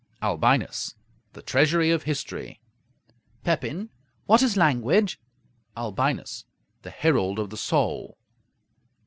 Albinus The treasury of history. Pepin What is language? Albinus The herald of the soul.